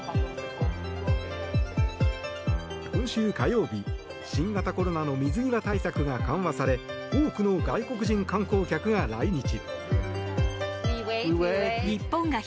今週火曜日新型コロナの水際対策が緩和され多くの外国人観光客が来日。